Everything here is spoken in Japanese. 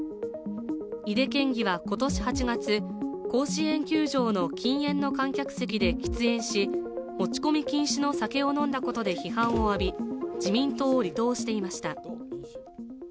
井手県議は今年８月、甲子園球場の禁煙の観客席で喫煙し持ち込み禁止の酒を飲んだことで批判を浴び、自民党を離党していました。